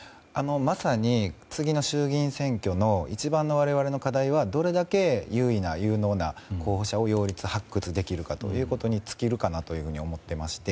まさに次の衆議院選挙の我々の一番の課題はどれだけ優位な、有能な候補者を発掘できるかなということに尽きるかなというふうに思っていまして。